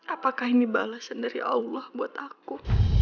apakah ini balasan dari allah buat aku